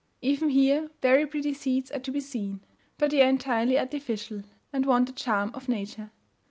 Even here very pretty seats are to be seen; but they are entirely artificial, and want the charm of nature.